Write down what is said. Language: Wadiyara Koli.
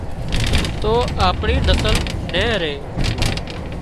تو اپڻي نسل نين ري